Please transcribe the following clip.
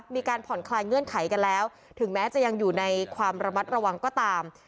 มีการผ่อนคลายเงื่อนไขกันแล้วถึงแม้จะยังอยู่ในความระมัดระวังก็ตาม